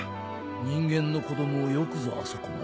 人間の子供をよくぞあそこまで。